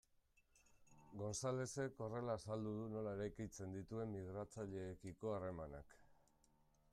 Gonzalezek horrela azaldu du nola eraikitzen dituen migratzaileekiko harremanak.